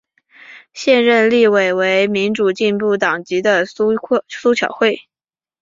现任立委为民主进步党籍的苏巧慧。